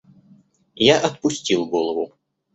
Я отпустил голову.